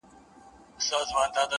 ستا سترگو كي بيا مرۍ؛ مرۍ اوښـكي؛